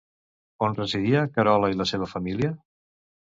On residia Carola i la seva família?